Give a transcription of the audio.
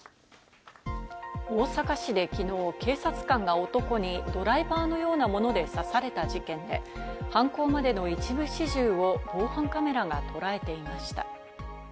大阪市できのう警察官が男にドライバーのようなもので刺された事件で、犯行までの一部始終を防犯カメラが捉えていました。